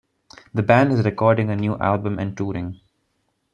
The band is recording a new album and touring.